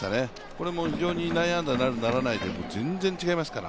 これも非常に内野安打になる、ならならいで全然違いいますから。